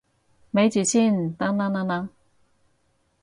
咪住先，等等等等